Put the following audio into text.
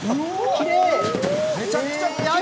きれい。